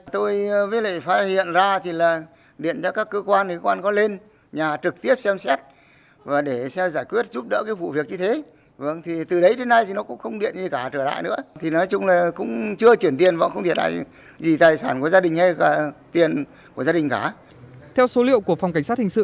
theo số liệu của phòng cảnh sát hình sự